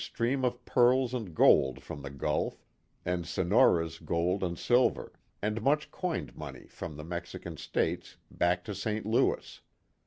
29 of pearls and gold from the Gulf, and Sonoras gold and silver, and much coined money from the Mexican states, back to St. Louis.